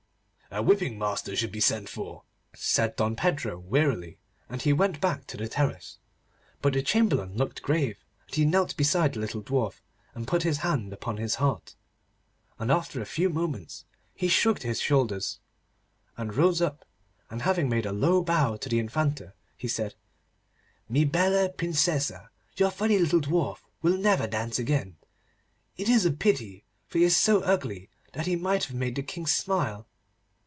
'A whipping master should be sent for,' said Don Pedro wearily, and he went back to the terrace. But the Chamberlain looked grave, and he knelt beside the little dwarf, and put his hand upon his heart. And after a few moments he shrugged his shoulders, and rose up, and having made a low bow to the Infanta, he said— 'Mi bella Princesa, your funny little dwarf will never dance again. It is a pity, for he is so ugly that he might have made the King smile.